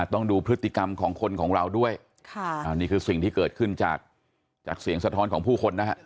ต้องดูพฤติกรรมของคนของเราด้วยค่ะอันนี้คือสิ่งที่เกิดขึ้นจากจากเสียงสะท้อนของผู้คนนะฮะ